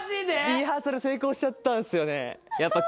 リハーサル成功しちゃったんですよね・